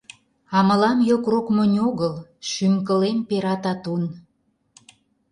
А мылам йокрок монь огыл: Шӱм-кылем пера татун.